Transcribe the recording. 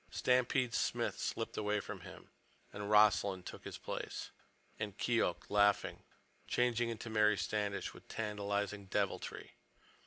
Stampede Smith slipped away from him, and Rossland took his place. And Keok, laughing, changed into Mary Standish with tantalizing deviltry.